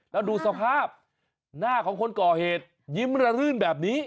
แล้วดูสภาพหน้าของคนก่อเหตุยิ้มระรื่นแบบนี้